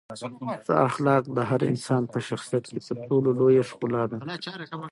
ښه اخلاق د هر انسان په شخصیت کې تر ټولو لویه ښکلا ده.